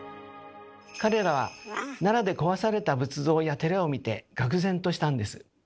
彼らは奈良で壊された仏像や寺を見てがく然としたんです。